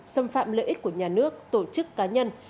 xâm phạm lợi ích của nhà nước tổ chức cá nhân